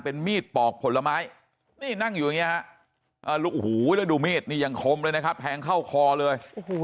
เป็นมีดปอกผลไม้นั่งอยู่อย่างนี้แล้วดูมีดนี่ยังคมเลยนะครับแผงเข้าคอเลย